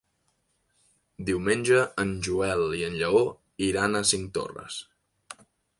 Diumenge en Joel i en Lleó iran a Cinctorres.